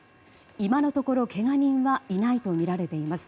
今のところ、けが人はいないとみられています。